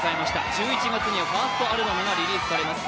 １１月にはファーストアルバムがリリースされます。